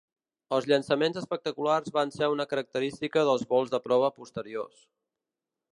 Els llançaments espectaculars van ser una característica dels vols de prova posteriors.